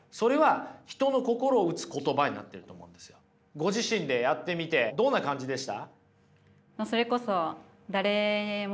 ご自身でやってみてどんな感じでした？